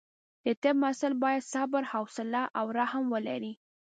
د طب محصل باید صبر، حوصله او رحم ولري.